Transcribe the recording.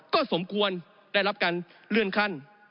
ก็สมควรได้รับการเลื่อนขั้น